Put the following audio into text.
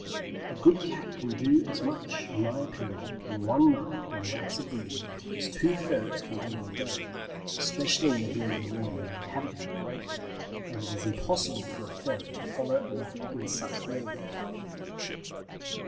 A good cat can do as much, in my opinion, in one night, when Rats are breeding, as two ferrets can do in a day, especially in a building where there are cavity walls, as it is impossible for a ferret to follow a Rat in such walls.